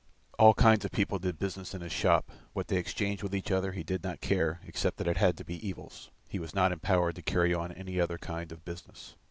All kinds of people did business in his shop. What they exchanged with each other he did not care except that it had to be evils, he was not empowered to carry on any other kind of business.